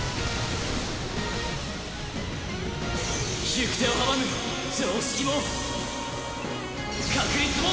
行く手を阻む常識も確率も。